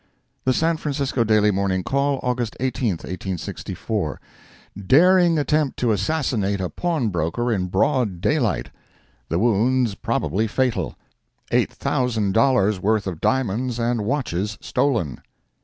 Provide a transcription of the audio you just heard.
The San Francisco Daily Morning Call, August 18, 1864 DARING ATTEMPT TO ASSASSINATE A PAWNBROKER IN BROAD DAYLIGHT! THE WOUNDS PROBABLY FATAL!—EIGHT THOUSAND DOLLARS' WORTH OF DIAMONDS AND WATCHES STOLEN!